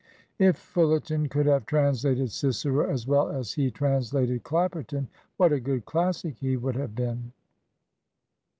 If Fullerton could have translated Cicero as well as he translated Clapperton, what a good Classic he would have been!